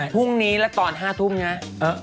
พรุ่งนี้และตอน๕ทุ่มเนี่ย